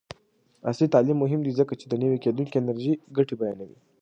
عصري تعلیم مهم دی ځکه چې د نوي کیدونکي انرژۍ ګټې بیانوي.